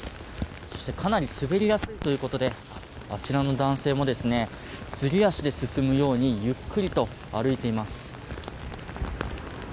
そしてかなり滑りやすいということであちらの男性もすり足で進むようにゆっくりと歩いています。